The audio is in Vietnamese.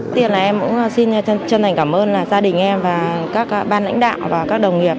tiên là em cũng xin chân thành cảm ơn gia đình em và các ban lãnh đạo và các đồng nghiệp